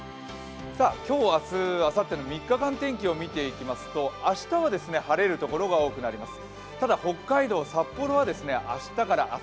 今日、明日、あさっての３日間天気を見ていきますと明日は晴れるところが多くなります。